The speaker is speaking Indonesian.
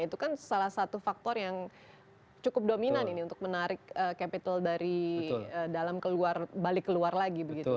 itu kan salah satu faktor yang cukup dominan ini untuk menarik capital dari dalam keluar balik keluar lagi